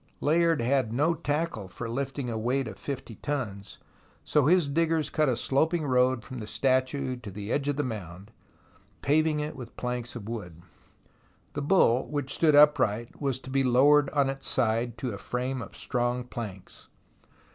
Layard had no tackle for lifting a weight of fifty 142 THE ROMANCE OF EXCAVATION tons, so his diggers cut a sloping road from the statue to the edge of the mound, paving it with planks of wood. The bull, which stood upright, was to be lowered on its side to a frame of strong planks.